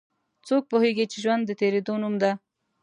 څوک پوهیږي چې ژوند د تیریدو نوم ده